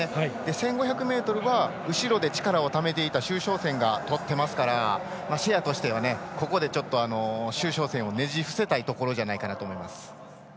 １５００ｍは後ろで力をためていた周召倩がとってますからシェアとしてはここで、周召倩をねじ伏せたいところじゃないかなと思います。